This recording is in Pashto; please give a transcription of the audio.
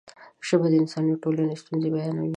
ژبه د انساني ټولنې ستونزې بیانوي.